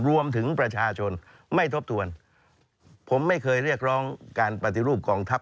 รวมถึงประชาชนไม่ทบทวนผมไม่เคยเรียกร้องการปฏิรูปกองทัพ